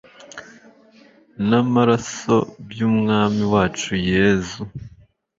n'amaraso by'umwami wacu yezu